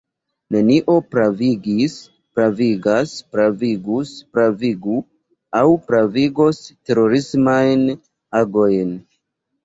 Nenio pravigis, pravigas, pravigus, pravigu aŭ pravigos terorismajn agojn.